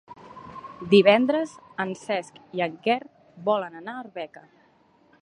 Divendres en Cesc i en Quer volen anar a Arbeca.